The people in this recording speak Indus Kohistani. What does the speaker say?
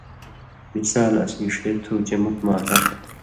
مثال اسیں ݜے تُھو چے مُت ماݜاں